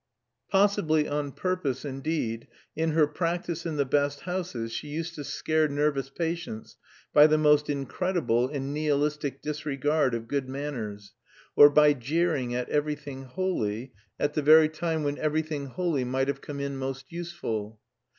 Possibly on purpose, indeed, in her practice in the best houses she used to scare nervous patients by the most incredible and nihilistic disregard of good manners, or by jeering at "everything holy," at the very time when "everything holy" might have come in most useful.